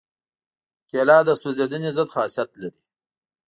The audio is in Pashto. کېله د سوځېدنې ضد خاصیت لري.